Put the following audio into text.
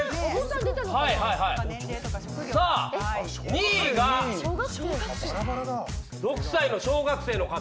２位が６歳の小学生の方。